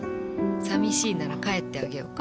寂しいなら帰ってあげようか？